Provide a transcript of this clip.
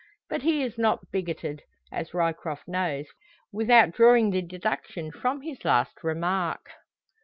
But he is not bigoted, as Ryecroft knows, without drawing the deduction from his last remark.